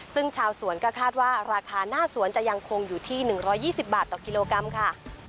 ซึ่งชาวสวนก็คาดว่าราคาหน้าสวนจะยังคงอยู่ที่๑๒๐บาทต่อกิโลกรัมค่ะ